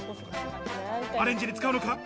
アレンジに使うのか？